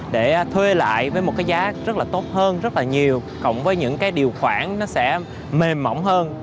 để thuê lại với một giá rất là tốt hơn rất là nhiều cộng với những điều khoản mềm mỏng hơn